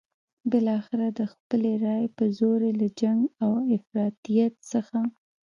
بالاخره د خپلې رايې په زور یې له جنګ او افراطیت څخه.